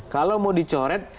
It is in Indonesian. kalau mau dicoret